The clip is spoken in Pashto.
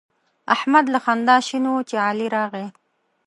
احمد له خندا شین وو چې علي راغی.